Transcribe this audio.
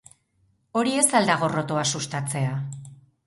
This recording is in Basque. Hori ez al da gorrotoa sustatzea?